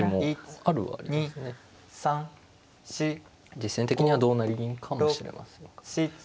実戦的には同成銀かもしれませんが。